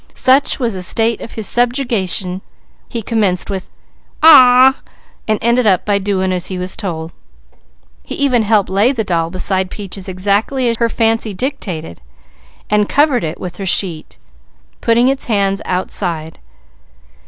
Such was the state of his subjugation he commenced with "Aw!" and ended by doing as he was told. He even helped lay the doll beside Peaches exactly as her fancy dictated, and covered it with her sheet, putting its hands outside.